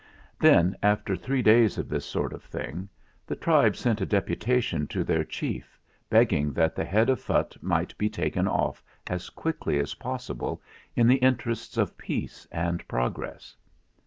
Then, after three days of this sort of thing, the tribe sent a deputation to their chief beg ging that the head of Phutt might be taken off as quickly as possible in the interests of peace and progress.